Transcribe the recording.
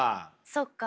そっか。